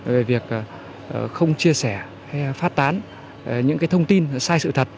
về việc không chia sẻ hay phát tán những thông tin sai sự thật